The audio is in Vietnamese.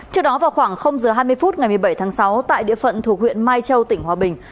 trước đó vào khoảng h hai mươi phút ngày một mươi bảy tháng sáu tại địa phận thuộc huyện mai châu tỉnh hòa bình